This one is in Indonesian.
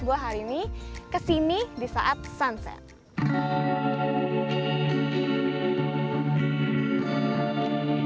gue hari ini kesini di saat sunset